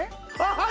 はい。